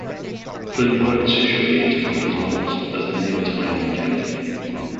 Flynn worked Soucheray into one of his novels as the neighbor to Irene Kennedy.